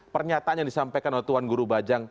pernyataan yang disampaikan oleh tuan guru bajang